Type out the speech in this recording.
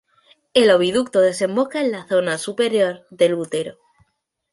El oviducto desemboca en la zona superior del útero.